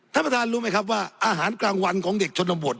ท่านประธานรู้ไหมครับว่าอาหารกลางวันของเด็กชนบท